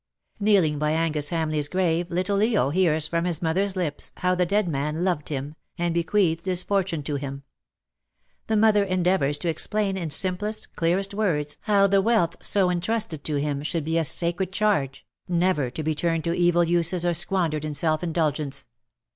Kneeling by Angus Hamleigh's grave, little Leo hears from his mother^s lips how the dead man loved him, and bequeathed his fortune to him. The mother endeavours to explain in simplest, clearest words how the wealth so entrusted to him should be a sacred charge, never to be turned to evil uses or squandered in self indulgence.